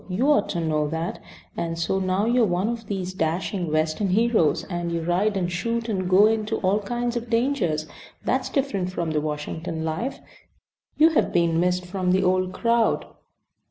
You ought to know that. And so now you are one of these dashing Western heroes, and you ride and shoot and go into all kinds of dangers. That's different from the Washington life. You have been missed from the old crowd."